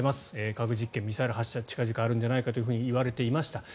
核実験、ミサイル発射近々あるんじゃないかといわれていました。